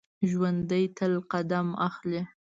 ژوندي تل قدم اخلي